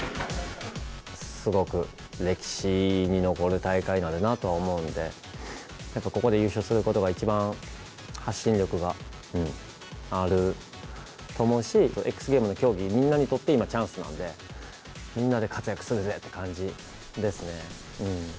すごく歴史に残る大会になるなと思うんで、ここで優勝することが、一番発信力があると思うし、ＸＧａｍｅｓの競技、みんなにとって、今、チャンスなんで、みんなで活躍するぜっていう感じですね。